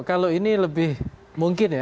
kalau ini lebih mungkin ya